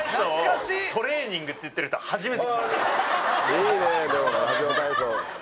いいねラジオ体操。